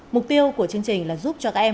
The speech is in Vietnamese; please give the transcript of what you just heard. mục tiêu của chương trình là giúp cho các em